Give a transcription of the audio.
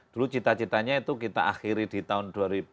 dulu cita citanya itu kita akhiri di tahun dua ribu